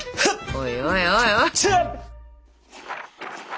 おいおいおいおい！